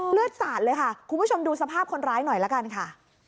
เลือดสาดเลยค่ะคุณผู้ชมดูสภาพคนร้ายหน่อยละกันค่ะ